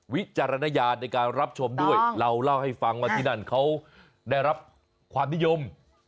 วิจารณญาณในการรับชมด้วยเราเล่าให้ฟังว่าที่นั่นเขาได้รับความนิยม